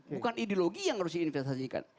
bukan ideologi yang harus diinvestasikan